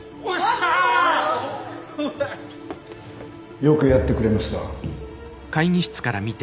よくやってくれました。